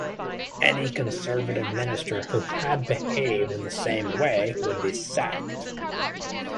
Any Conservative minister who had behaved in the same way would be sacked.